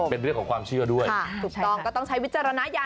พี่เกิดปีเลย